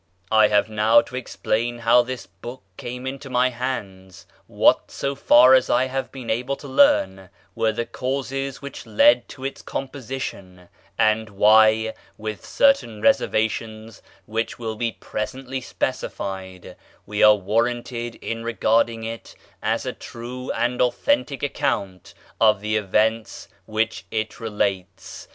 I have now to explain how this book came into my hands; what, so far as I have been able to learn, were the causes which led to its composition; and why (with certain reservations which will be presently specified) we are warranted in regarding it as a true and authentic account of the events which it relates.